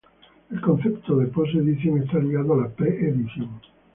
El concepto de post edición está ligado a la pre edición.